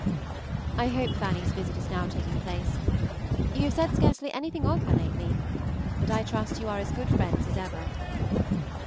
I hope Fanny's visit is now taking place. You have said scarcely anything of her lately, but I trust you are as good friends as ever.